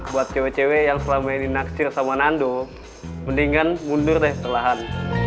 buat cewek cewek yang selama ini naksir sama nando mendingan mundur deh perlahan